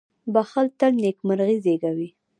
• بښل تل نېکمرغي زېږوي.